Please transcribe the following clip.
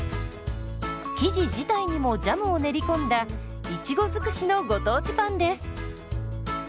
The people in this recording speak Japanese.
生地自体にもジャムを練り込んだいちご尽くしのご当地パンです。